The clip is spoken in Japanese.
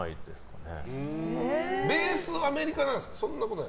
ベース、アメリカなんですか？